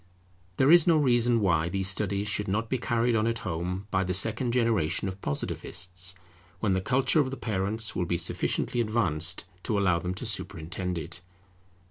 There is no reason why these studies should not be carried on at home by the second generation of Positivists, when the culture of the parents will be sufficiently advanced to allow them to superintend it.